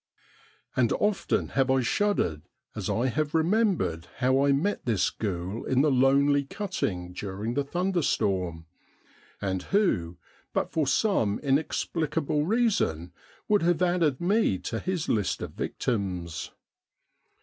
And often have I shuddered as I have remembered how I met this ghoul in the lonely cutting during the thunder storm, and who, but for some inexplicable reason, would have added me to his list of victims.